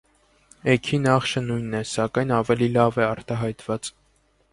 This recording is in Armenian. Էգի նախշը նույնն է, սակայն ավելի լավ է արտահայտված։